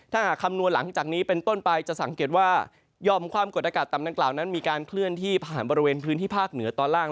ถ้าหากคำนวณหลังจากนี้เป็นต้นไปจะสังเกตว่ายอมความกดอากาศต่ำดังกล่าวนั้นมีการเคลื่อนที่ผ่านบริเวณพื้นที่ภาคเหนือตอนล่าง